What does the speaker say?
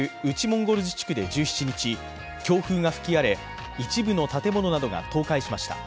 モンゴル自治区で１７日、強風が吹き荒れ、一部の建物などが倒壊しました。